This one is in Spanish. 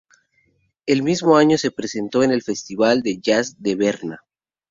El mismo año se presentó en el Festival de Jazz de Berna.